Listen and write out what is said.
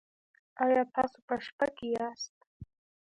ایا تاسو په شپه کې یاست؟